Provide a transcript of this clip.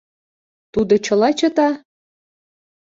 Тудо чыла чыта?